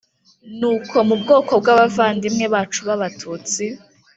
ni uko mu bwoko bw'abavandimwe bacu b'abatutsi,